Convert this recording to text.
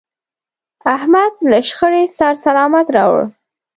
احمد له شخړې سر سلامت راوړ.